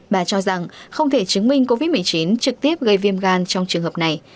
bà cho rằng không thể chứng minh covid một mươi chín trực tiếp gây viêm gan trong trường hợp này